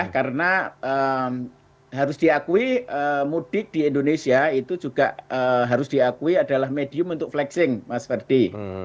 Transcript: karena harus diakui mudik di indonesia itu juga harus diakui adalah medium untuk flexing mas fadi